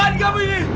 apa bahan kamu ini